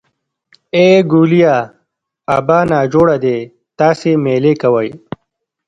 ای ګوليه ابا نا جوړه دی تاسې مېلې کوئ.